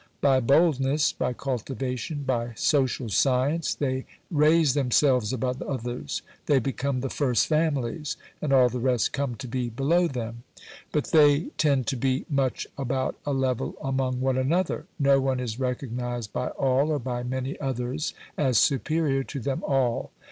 By boldness, by cultivation, by "social science" they raise themselves above others; they become the "first families," and all the rest come to be below them. But they tend to be much about a level among one another; no one is recognised by all or by many others as superior to them all.